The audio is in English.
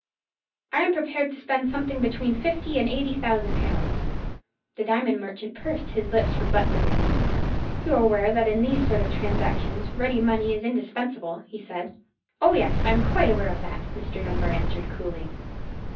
"I am prepared to spend something between fifty and eighty thousand pounds." The diamond merchant pursed up his lips reflectively. "You are aware that in these sort of transactions ready money is indispensable?" he said. "Oh, yes, I am quite aware of that," Mr. Dunbar answered, coolly.